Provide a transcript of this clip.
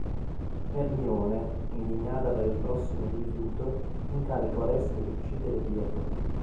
Ermione, indignata per il prossimo rifiuto, incarica Oreste di uccidere Pirro.